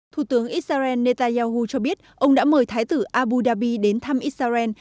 thủ tướng israel netanyahu cho biết ông đã mời thái tử abu dhabi đến thăm israel